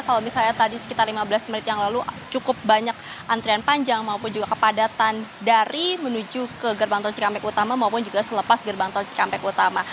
kalau misalnya tadi sekitar lima belas menit yang lalu cukup banyak antrian panjang maupun juga kepadatan dari menuju ke gerbang tol cikampek utama maupun juga selepas gerbang tol cikampek utama